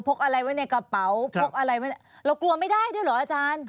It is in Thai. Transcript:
กอะไรไว้ในกระเป๋าพกอะไรเรากลัวไม่ได้ด้วยเหรออาจารย์